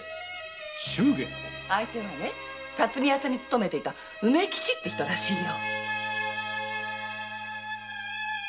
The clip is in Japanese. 相手は巽屋さんに勤めてた“梅吉”って人らしいよ。